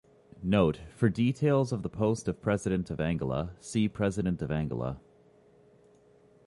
"Note:" For details of the post of President of Angola, see President of Angola.